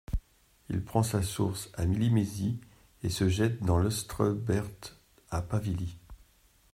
Il prend sa source à Limésy et se jette dans l'Austreberthe à Pavilly.